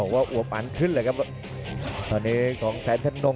พยายามจะตีจิ๊กเข้าที่ประเภทหน้าขาครับ